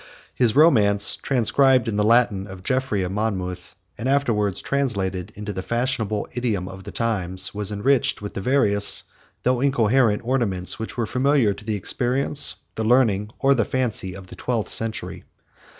His romance, transcribed in the Latin of Jeffrey of Monmouth, and afterwards translated into the fashionable idiom of the times, was enriched with the various, though incoherent, ornaments which were familiar to the experience, the learning, or the fancy, of the twelfth century.